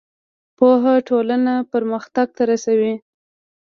پوهه ټولنه پرمختګ ته رسوي.